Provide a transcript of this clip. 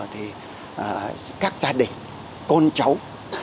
thì các gia đình con cháu